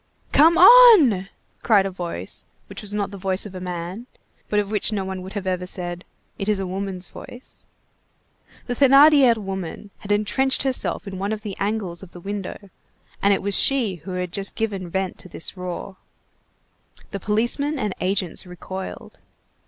"Come on!" cried a voice which was not the voice of a man, but of which no one would ever have said: "It is a woman's voice." The Thénardier woman had entrenched herself in one of the angles of the window, and it was she who had just given vent to this roar. The policemen and agents recoiled.